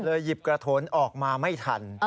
เลยหยิบกระโทนออกมาไม่ทัน